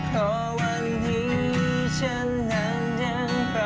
สวัสดีครับ